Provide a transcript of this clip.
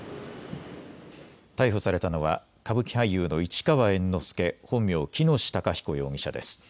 逮捕されたのは歌舞伎俳優の市川猿之助、本名、喜熨斗孝彦容疑者です。